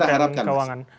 itu yang kita harapkan mas